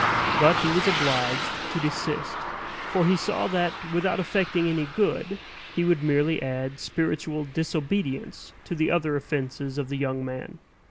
But he was obliged to desist; for he saw that, without effecting any good, he would merely add spiritual disobedience to the other offenses of the young man.